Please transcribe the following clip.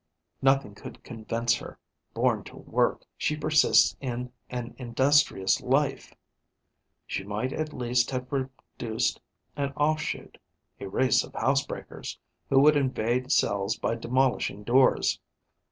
Nothing could convince her: born to work, she persists in an industrious life. She might at least have produced an offshoot, a race of housebreakers, who would invade cells by demolishing doors.